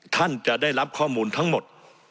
ท่านจะได้รับข้อมูลทั้งหมด